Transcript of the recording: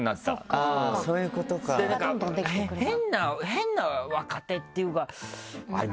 変な若手っていうかあれ